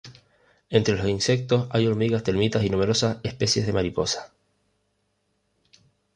Entre los insectos hay hormigas termitas y numerosas especies de mariposa.